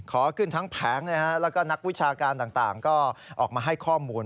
ขอขึ้นทั้งแผงแล้วก็นักวิชาการต่างก็ออกมาให้ข้อมูล